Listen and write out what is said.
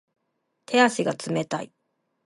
手足が冷たい